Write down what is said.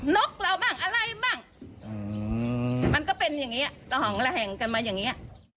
นกเราบ้างอะไรบ้างมันก็เป็นอย่างนี้ละห่องระแหงกันมาอย่างนี้